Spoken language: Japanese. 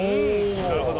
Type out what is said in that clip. なるほど。